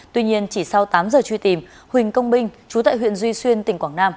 tuy nhiên chỉ sau tám giờ truy tìm huỳnh công binh chú tại huyện duy xuyên tỉnh quảng nam